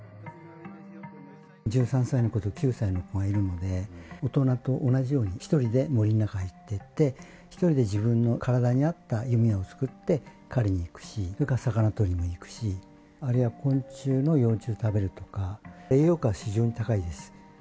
１３歳の子と９歳の子がいるので、大人と同じように、１人で森の中入っていって、１人で自分の体に合った弓矢を作って狩りに行くし、それから魚取りに行くし、あるいは昆虫の幼虫を食べるとか、栄養価が非常に高いです。